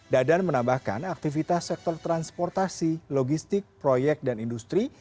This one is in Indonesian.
dadan menambahkan aktivitas sektor transportasi logistik proyek dan industri